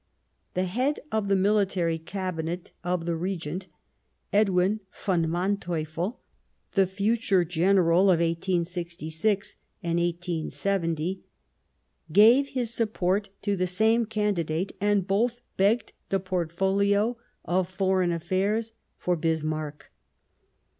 The head of the Military Cabinet of the Regent, Edwin von Manteuffel, the future General of 1866 and 1870, gave his support to the same candidate, and both begged the portfolio of Foreign Affairs for Bismarck.